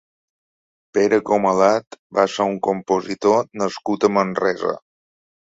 Pere Comalat va ser un compositor nascut a Manresa.